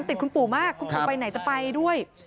ติดคุณปู่มากคุณปู่ไปไหนจะไปด้วย